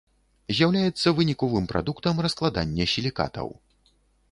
З'яўляецца выніковым прадуктам раскладання сілікатаў.